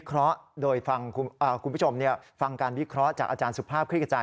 คุณผู้ชมฟังการวิเคราะห์จากอาจารย์สุภาพคลิกจ่าย